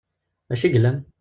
D acu i yellan?